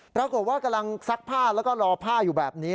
ปรากฏว่ากำลังซักผ้าแล้วก็รอผ้าอยู่แบบนี้